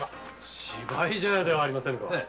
芝居茶屋ではありませんか。